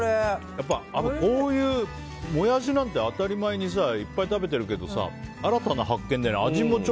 やっぱり、こういうモヤシなんて当たり前にいっぱい食べてるけど新たな発見だね。